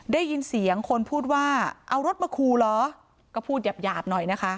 ได้ยินเสียงคนพูดว่าเอารถมาคูเหรอก็พูดหยาบหน่อยนะคะ